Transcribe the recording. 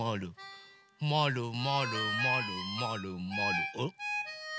まるまるまるまるまるおっ。